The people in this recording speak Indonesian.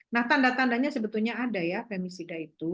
nah tanda tandanya sebetulnya ada ya pemisida itu